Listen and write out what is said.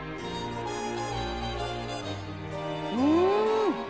うん！